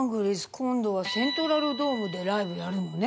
今度はセントラルドームでライブやるのね。